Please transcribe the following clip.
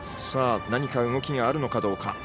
何か動きがあるのかどうか。